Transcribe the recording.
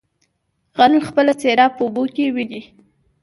ـ غل خپله څېره په اوبو کې ويني.